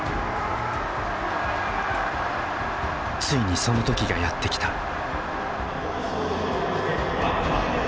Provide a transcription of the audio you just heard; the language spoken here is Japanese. ついにその時がやって来た。